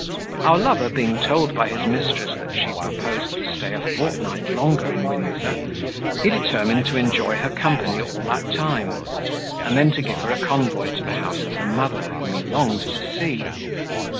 Our lover being told by his mistress that she proposed to stay a fortnight longer in Windsor, he determined to enjoy her company all that time, and then to give her a convoy to the house of her mother, whom he longed to see.